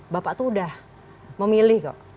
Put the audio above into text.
bapak itu sudah memilih kok